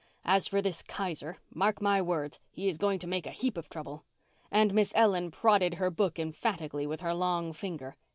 As for this Kaiser, mark my words, he is going to make a heap of trouble"—and Miss Ellen prodded her book emphatically with her long finger.